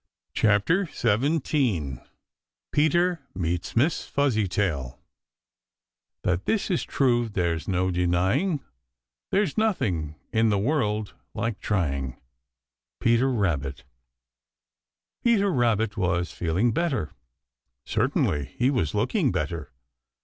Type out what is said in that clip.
CHAPTER XVII PETER MEETS MISS FUZZYTAIL That this is true there's no denying There's nothing in the world like trying. Peter Rabbit. Peter Rabbit was feeling better. Certainly he was looking better.